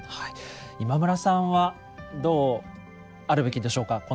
今村さんはどうあるべきでしょうか？